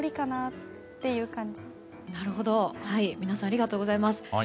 なるほど、皆さんありがとうございます。